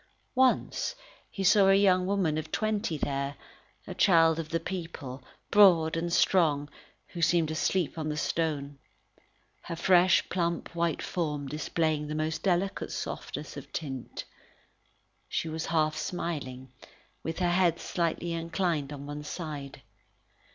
Once he saw a young woman of twenty there, a child of the people, broad and strong, who seemed asleep on the stone. Her fresh, plump, white form displayed the most delicate softness of tint. She was half smiling, with her head slightly inclined on one side.